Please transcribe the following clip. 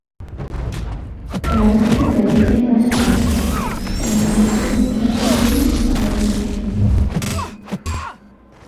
ডানহাতে ব্যাটিংয়ের পাশাপাশি ডানহাতে মিডিয়াম বোলিংয়ে পারদর্শী তিনি।